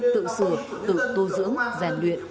tự sửa tự tô dưỡng giàn luyện